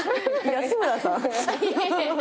安村さん？